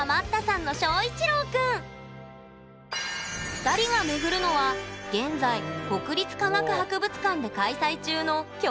２人がめぐるのは現在国立科学博物館で開催中の「恐竜博」！